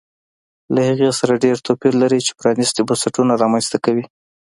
له هغې سره ډېر توپیر لري چې پرانیستي بنسټونه رامنځته کوي